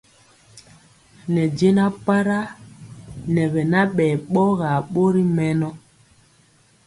Ne jɛna para nɛ bɛ nabɛ bɔgar bori mɛnɔ.